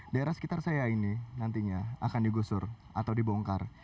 daerah sekitar saya ini nantinya akan digusur atau dibongkar